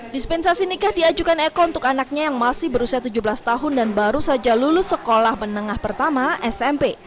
dispensasi nikah diajukan eko untuk anaknya yang masih berusia tujuh belas tahun dan baru saja lulus sekolah menengah pertama smp